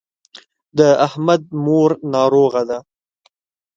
د احمد مور ناروغه ده.